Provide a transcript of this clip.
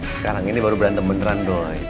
sekarang ini baru berantem beneran dong